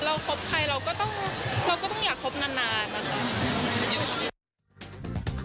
คบใครเราก็ต้องเราก็ต้องอยากคบนานนะคะ